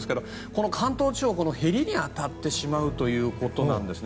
関東地方へりに当たってしまうということなんです。